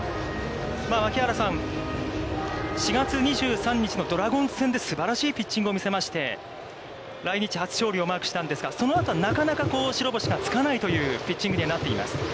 槙原さん、４月２３日のドラゴンズ戦ですばらしいピッチングを見せまして、来日初勝利をマークしたんですが、そのあと、なかなか白星がつかないというピッチングにはなっています。